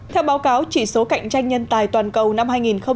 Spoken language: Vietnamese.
theo báo cáo chỉ số cạnh tranh nhân tài toàn cầu năm hai nghìn một mươi chín